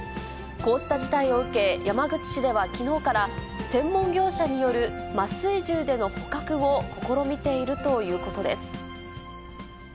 こうした事態を受け、山口市ではきのうから、専門業者による麻酔銃での捕獲を試みているということです。